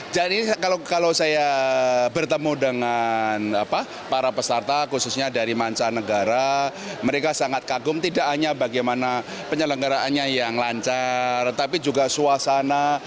jadi kalau saya bertemu dengan para peserta khususnya dari manca negara mereka sangat kagum tidak hanya bagaimana penyelenggaraannya yang lancar tapi juga suasana